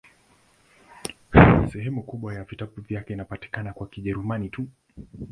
Sehemu kubwa ya vitabu vyake inapatikana kwa Kijerumani tu.